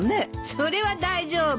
それは大丈夫。